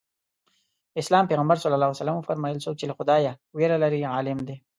د اسلام پیغمبر ص وفرمایل څوک چې له خدایه وېره لري عالم دی.